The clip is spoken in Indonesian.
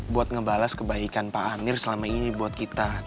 buat ngebalas kebaikan pak amir selama ini buat kita